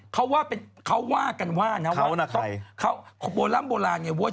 เขาว่ากันว่ะนะคะ